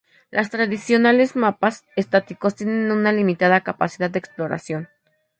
Los tradicionales mapas estáticos tienen una limitada capacidad de exploración.